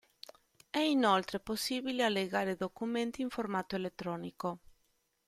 È inoltre possibile allegare documenti in formato elettronico.